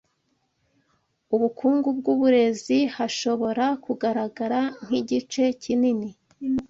ubukungu bwuburezi hashobora kugaragara nkigice kinini